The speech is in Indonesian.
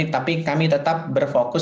tapi kami tetap berfokus